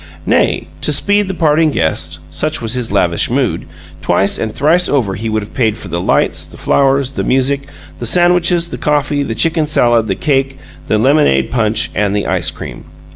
Nay, to speed the parting guest such was his lavish mood twice and thrice over would he have paid for the lights, the flowers, the music, the sandwiches, the coffee, the chicken salad, the cake, the lemonade punch, and the ice cream.